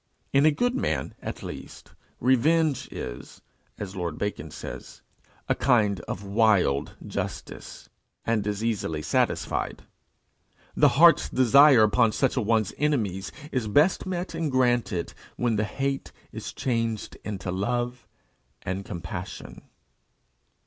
In a good man at least, "revenge is," as Lord Bacon says, "a kind of wild justice," and is easily satisfied. The hearts desire upon such a one's enemies is best met and granted when the hate is changed into love and compassion.